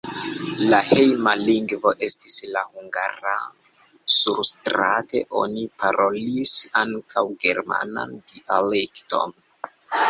La hejma lingvo estis la hungara, surstrate oni parolis ankaŭ germanan dialekton.